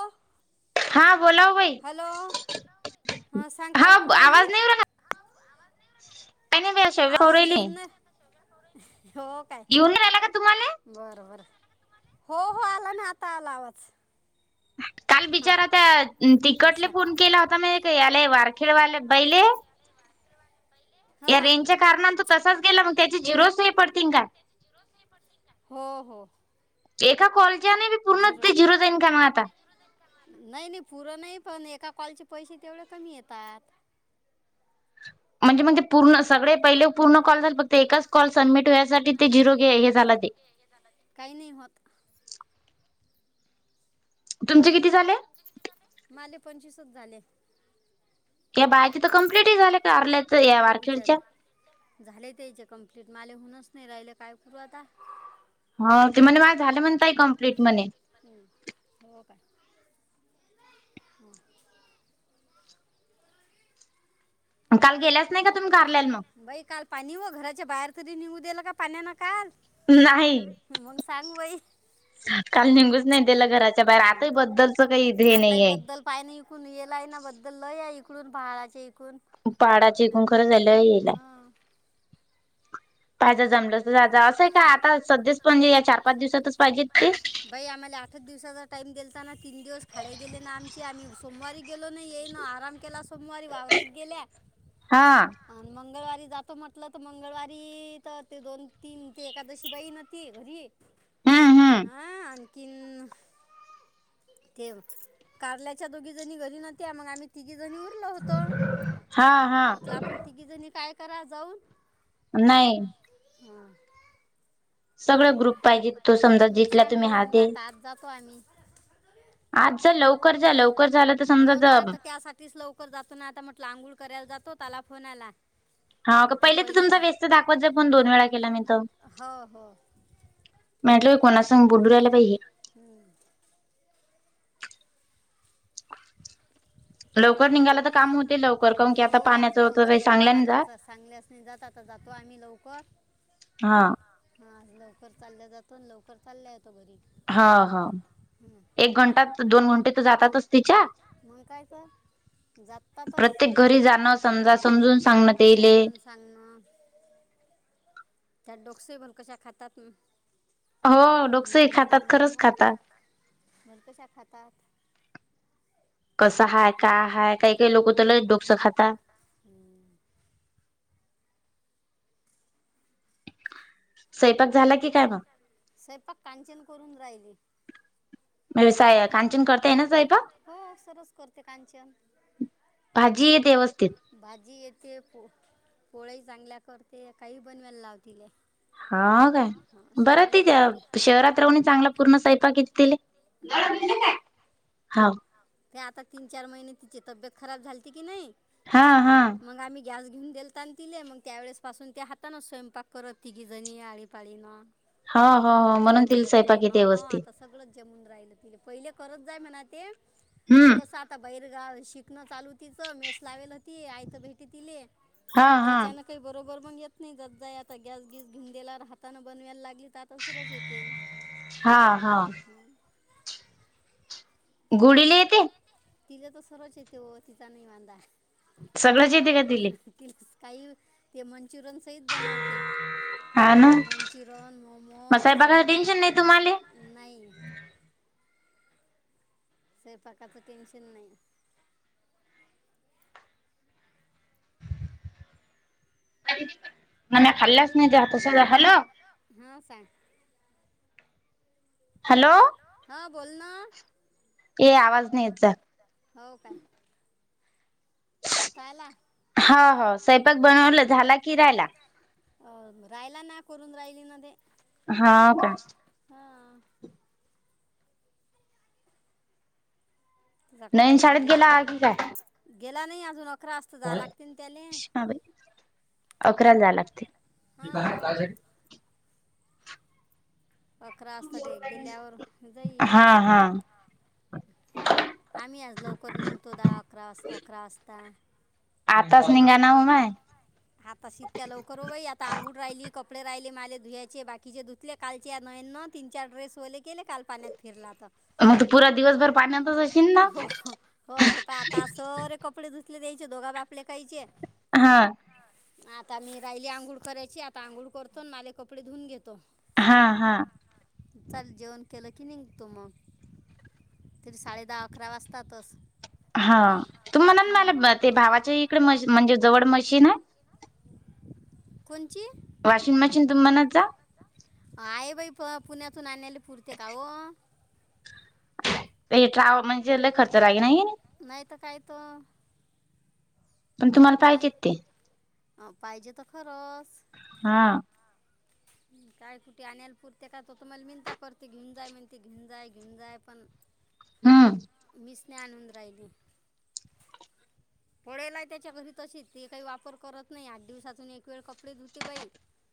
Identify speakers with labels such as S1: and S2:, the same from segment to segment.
S1: ओ
S2: हां बोला ओ.
S1: हॅलो हा सांग काय करु राहिली?
S2: का ब नाही [unintelligible] हो राहिली.
S1: हो.
S2: येऊन नाय आला का तुम्हाले?
S1: बरं बरं हो हो आला ना आता आला आवाच.
S2: काल बिचारा त्या तिकटले फोन केला होता मय एक याले वारखेड वाले बाईले. या रेंजच्या कारणान तो तसाच गेला मग त्याची झिरो सय पडतीन का?
S1: हो हो.
S2: एका कॉलचाने बी पूर्ण ते झिरो देईन का म आता?
S1: नाही नाही पुरं नाही पण एका कॉलचे पैसे तेवढे कमी येतात.
S2: म्हणजे म्हणजे पूर्ण सगळे पहिले पूर्ण कॉल झाले फक्त एकाच कॉल सनमिट होयासाठी ते झिरो गे हे झाला ते.
S1: काही नाही होत.
S2: तुमचे किती झाले?
S1: माले पंचवीसच झाले.
S2: त्या बाईची कंप्लीट तर ही झाले.
S1: हो बिचारे झाले त्याचे कमप्लीट माले होनच नाही राहिलं काय कररू आता.
S2: हाव ते म्हणे माय झालं म्हणताय कम्प्लीट म्हणे.
S1: हम्म होव काय हम्म.
S2: काल गेल्याच नाही का तुम्ही कारल्याल म?
S1: बाई काल पाणी व घराच्या बाहेर तरी निघु देलं का पाण्याना काल. मंग सांग बाई. हा आताही बद्दल पायने इकून येलाय ना बद्दल लय या इकडून पहाडाचे इकून
S2: पहाडाचे एकून खरं झालं येला. पाहिज जमलं तर जाजा असंय का आता सध्याच पंजे या चार-पाच दिवसातच पाहिजेत ते.
S1: बाई आम्हाला आठच दिवसाचा टाइम देलताना तीन दिवस खाडे गेले ना आमचे आम्ही सोमवारी गेलो नाही येईना आराम केलास सोमवारी वावराईत गेल्या आणि मंगळवारी जातो म्हटलं तर मंगळवारी तर ते दोन-तीन ते एकादशी बाई न ती घरी हा आन किन ते कारल्याच्या दोघी जणी घरी नव्हत्या मग आम्ही तिघी जणी उरलं होतं म्हटलं आपण तिघी जणी काय करा जाऊन.
S2: नाही
S1: हां.
S2: सगळं ग्रुप पाहिजे तो समजा जितला तुम्ही हात देई. आज जर लवकर जा लवकर झालं तर समजा दम
S1: त्यासाठीच लव कर जातो ना आता म्हटलं आंघोळ करायला जातो त्याला फोन आला.
S2: हाव का पहिले तर तुमचा व्यस्त दाखवत जा पण दोन वेळा केला मी तर. म्हटलं कोणास बोलू राहिला बाइ ही.
S1: हम्म.
S2: लवकर निघायला तर काम होते लवकर का की आता पाण्याचं होत सांगल्याने जात.
S1: सांगल्यास जात आता जातो आम्ही लवकर.
S2: हा.
S1: हा आज लवकर चालल्या जातो लवकर चालल्या येतो घरी.
S2: हा हा. एक घंटात दोन घंटे तर जातातच तिच्या. प्रत्येक घरी जाणं समजा समजून सांगण् त्याहेले.
S1: सांगन. त्या डोक्से पण कशा खातात. नागणी बिंगनी मग मग कशा खातात.
S2: कसं आहेय, काय हाय, काही काही लोक तर लईच डोकसं खातात.
S1: हम. स्वयपाक कांचन करून राहिली.
S2: व्यवसाय कांचन करताय ना स्वयंपाक?
S1: हो सरस करते कांचन. भाजी येते पो -पोळ्याही चांगल्या करते काही बनवायला लाव तिले.
S2: हां काय बरं तिथ शहरात राहून चांगला पूर्ण सायपा किती तिले.
S1: हो.
S2: हाव.
S1: ते आता तीन चार महिने तिची तब्येत खराब झालीती की नाही. मग आम्ही गॅस घेऊन देलता आणि तिले मग त्यावेेळेस पासून ते हातानं स्वयंपाक करत तिघी जणी आळीपाळीन. एकमेकीले मदत करणं ह आता सगळ जमून राहिल तिल पहिले करत जाय म्हणा ते, पण कस आता बहिर गाव शिकणं चालू तिचं मेस लावेल ती आइत भेटी तिले. त्याचान काही बरोबर मग येत नाही ओ, जात जाई आता गॅस गीस घेऊन दिला हातां बनवायला लागली. आता सारच येते.
S2: गुडीला येते.
S1: तिला तर सर्वच येते तिचा निवांत आहे. काही ते मंचुरियन. बनते मंचुरन, मोमोज. नाही. स्वयंपाकाचं टेन्शन नाही.
S2: या खाल्लाच नाही हाताचा हॅलो!
S1: हा सांग.
S2: हॅलो!
S1: हं बोल ना, हो काय. आता आला त्यांनी बनवलं झाला किरायला. अ राहिला ना करून राहिली ना ते.
S2: हा.
S1: हं. त्याचा कोरोना झाला गेला नाही अजून अकरा वाजता जा लागते ना त्याले. हा. अकरा असत ते गेल्यावर जाईन. आम्ही आज लवकर निघतो दहा, अकरा वा अकरा वाजता.
S2: आताच निघा ना हो माय.
S1: आत्ताशी इतक्या लवकर करु बाई आता अंगूड राहिली, कपडे राहिले, माले धुवायचे बाकीचे धुतले कालचे नयन तीन चार ड्रेस वले. केले काल पाण्यात फिरला तर,
S2: मग त पुरा दिवसभर पाण्यांतच असशील ना.
S1: होय प आता सरे कपडे धुतले द्यायचे दोघा बापलेकायचे.
S2: हा.
S1: आता मी राहिली आंघोळ करायची आता आंघोळ करतो माले कपडे धुवून घेतो.
S2: हा. हा.
S1: चालं जेवन केलं की निघतो मग. तरी साडेदहा, अकरा वाजतातच.
S2: हा तू म्हणा, नाला ते भावाच्या इकडे मशी म्हणजे जवळ मशीन आहे.
S1: कोणची?
S2: वॉशिंग मशीन तुम म्हणत जा.
S1: आहे बाई प-पुण्यातून आणयले पुरते का ओ.
S2: ते ट्रावा म्हणजे लय‌ खर्च लागे नाही.
S1: नाहीत काय तो. आणि पाहिजे तर खरच.
S2: हा.
S1: काय कुठे आणायला पुरते काय? त तुम्हाला मिेंता करते घेऊन जाय म्हणती घेऊन जाय घेऊन जाय पण.
S2: हम्म.
S1: मीच नाही आणून राहिली. पडेलय त्याच्या घरी तसेच ते काही वापर करत नाही. आठ दिवसातून एक वेळ कपडे धुते बाई.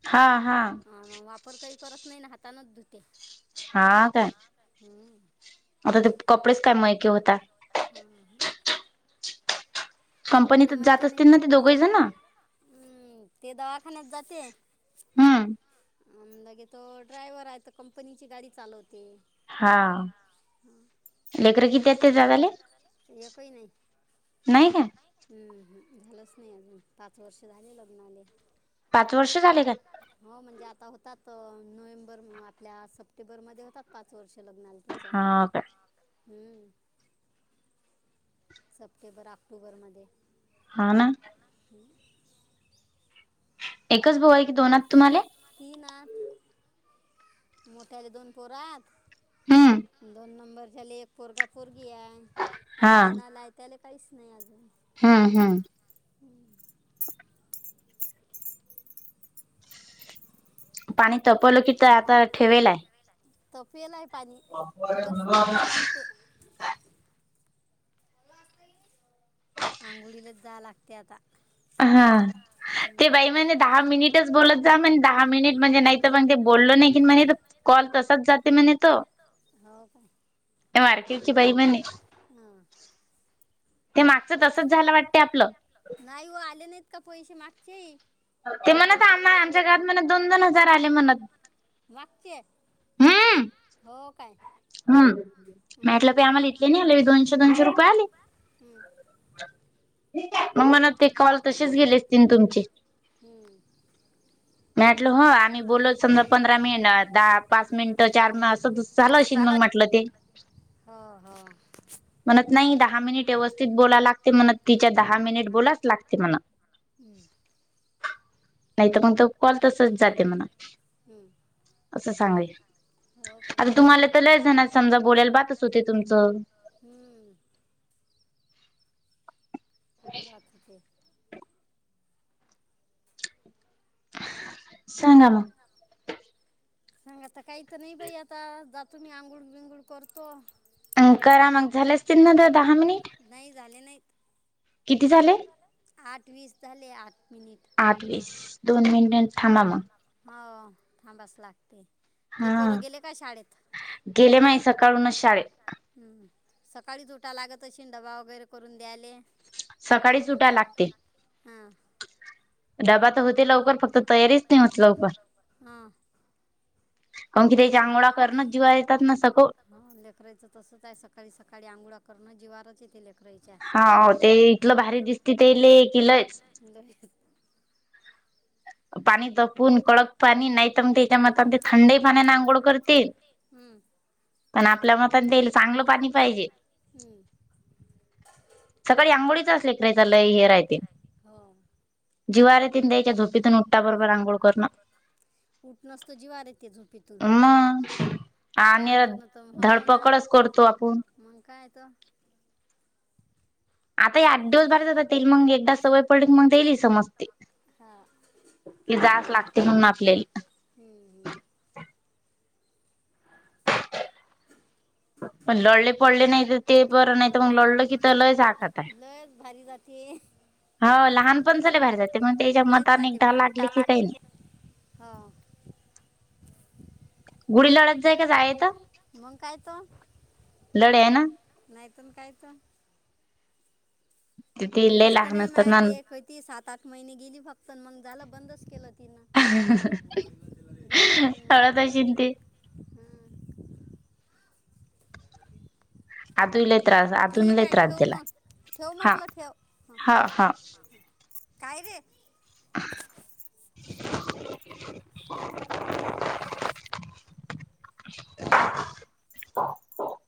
S2: हा हा.
S1: वापर काही करत नाही ना हातानच धुते‌.
S2: हा काय? आता ते कपडेच काय मळके होतात.
S1: [inaudible]
S2: कंपनीतच जात असतील ना ते दोघेही जण.
S1: हम्म ते दवाखान्यात जाते.
S2: हम्म.
S1: अ लगे तो ड्रायव्हर आहे तर कंपनीची गाडी चालवते.
S2: हा लेकरं किती आहे त्या दादाले. नाही काय?
S1: हम्म. हम्म. झालंच नाही अजून पाच वर्ष झाले लग्नाले. पाच वर्ष झाले ना. हो म्हणजे आता होतात नोव्हेंबर आपल्या सप्टेंबरमध्ये होतात पाच वर्ष लग्नाला. हम्म. सप्टेंबर ऑक्टो ऑक्टोबरमध्ये.
S2: हा ना.
S1: हंम्म.
S2: एकच भाऊ आहे की दोनात तुम्हाले.
S1: तीन आत, मोठ्याले दोन पोरा हात. दोन नंबरच्याले एक पोरगा पोरगी हाय. लहायनालाय त्याला काहीच नाही अजून.
S2: हम्म. हम्म.
S1: हम्म.
S2: पाणी तपवलं की तर आता ठेवेल आहे.
S1: तपेला आहे पाणी बस जास लागते. आंघोळीलाच जाय लागते आता.
S2: हा. ते बाई म्हणे दहा मिनिटच बोलत जा म्हणे. दहा मिनिट म्हणजे नाही तर मग ते बोललो नाही की म्हणे. कॉल तसाच जाते म्हणे, तो मारकीवची बाई म्हणे.
S1: हा.
S2: ते मागचं तसंच झालं वाटते आपलं.
S1: नाही ओ आले नाहीत का पैसे मागचेही.
S2: ते म्हणत आम्हा आमच्या गावात म्हणत दोन दोन हजार आले म्हणत.
S1: वाक्य. हो काय?
S2: हम्म. माटलं प आम्हाला इथले नाही आले, दोनशे दोनशे रुपये आले. मग म्हणा ते कॉल तसेच गेलेस असतील तुमचे. म्या वाटल हो आम्ही बोलल समजा पंधरा मिळणार दहात. पाच मिनिटं चार मि असं झालं अशीन मग म्हटलं ते. म्हणत नाही दहा मिनिट व्यवस्थित बोलाय लागते म्हणत तिच्या दहा मिनिट बोलाच लागते म्हण.
S1: हम्म.
S2: नाही तर मग तो कॉल तसच जाते म्हणा असं सांगाय. आता तुम्हाला तर लय जण समजा बोलायला बातच होते तुमचं.
S1: हम्म. बाचते.
S2: सांगा मग.
S1: ह [unintelligible] सांगा आता काही तर नाही बाई आता जातो मी आंघुळ बंगुळ करतो.
S2: करा मग झाले असतील ना तर दहा मिनिट.
S1: नाही झाले नाहीत.
S2: किती झाले?
S1: आठ वीस झाले आठ मिनिट.
S2: आठ वीस दोन मिनिटे थांबा मग.
S1: हो थांबाच लागते. ते पोरं गेले का शाळेत? सकाळी उठा लागत अशीन डबा वगैरे करून द्यायले.
S2: सकाळीच उठाय लागते. डबा तर होते लवकर फक्त तयारीच नाही होत लवकर. काहून कि तेच्या अंघोळा करणच जीवा येतात ना सग
S1: हा लेकारायचं तसंच आहे. सकाळी सकाळी आंघोळा करणं जिवाराच येतेे लेक
S2: हा ते इथलं भारी दिसती तेले कि लच
S1: [unintelligible]
S2: पाणी तपून कडक पाणी नाहीतर, मग त्याच्या मतानं ते थंडही पाण्याने आंघोळ करतील.
S1: हम्म.
S2: पण आपल्या मतान तेले चांगलं पाणी पाहिजे.
S1: हम्म.
S2: सकाळी आंघोळीच लेकराचं लई हे राहते
S1: हो.
S2: जिवावरे तेनं त्याच्या झोपीतून उट्टा बरोबर आंघोळ करणं.
S1: उठ नसतो जीवार येते झोपतून ते अमधन तर हव ना पत मग काय त.
S2: आता हे आठ दिवस झाले तर तेल मग एकदा सवय पडली की मग तेला हि समजते.
S1: हा.
S2: की जाच लागते म्हणून आपल्याले.
S1: हम्. हम्.
S2: पण लोळे पोळे नाही तर ते बरं नाहीत, मग लोळं की ते लईच आखात आहे.
S1: लयच भारी जात. ते
S2: हो लहानपण चले बाहेर जाते मग, त्याच्या मताने एकदा लागले की काही नाही. गुडी लढत जाय का जायेच.
S1: मग काय तर.
S2: लढ्या ना?
S1: नाही तुम्ही कायच? गेलीस तर नाही मायते एक होती सात आठ महिने गेली, फक्त मग झालं बंदच केलं तिन.
S2: पळत अशीन ती.
S1: हम्म.
S2: हात धूलेत.
S1: ठीक आहे ठेव मग ठेव म्हटलं ठेव ह. काय रे?
S2: [unintelligible]
S1: [inaudible]
S2: [inaudible]
S1: ह.
S2: [inaudible]